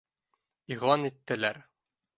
Иғлан иттеләр.